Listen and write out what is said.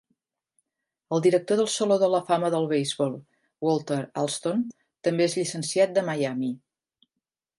El director del Saló de la Fama del Beisbol Walter Alston també és llicenciat de Miami.